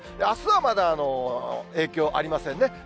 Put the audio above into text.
あすはまだ影響ありませんね。